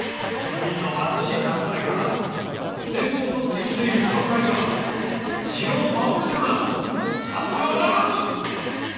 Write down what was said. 庶民の貧しい蓄えから年貢を取って生きている侍が城を守れぬなどあってはならぬ！